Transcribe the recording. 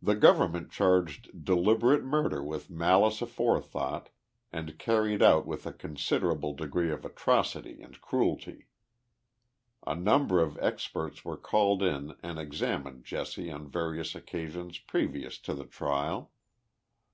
The government charged deliberate murder with malice afore thought, and carried out with a considerable degree of atrocity and cruelty. A number of experts were called in and examined Jesse on various occasions previous to the trial.